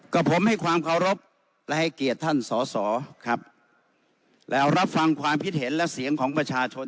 กับผมให้ความเคารพและให้เกียรติท่านสอสอครับแล้วรับฟังความคิดเห็นและเสียงของประชาชน